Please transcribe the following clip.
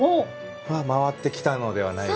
回ってきたのではないかと。